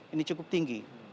ini cukup tinggi